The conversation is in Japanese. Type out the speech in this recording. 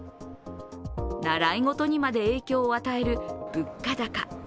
習い事にまで影響を与える物価高。